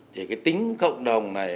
thì cái tính cộng đồng này